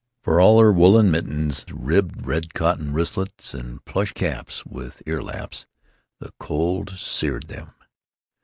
For all their woolen mittens, ribbed red cotton wristlets, and plush caps with ear laps, the cold seared them.